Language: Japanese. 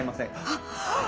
あっ！